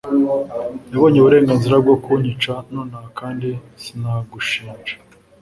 yabonye uburenganzira bwo kunyica nonaha kandi sinagushinja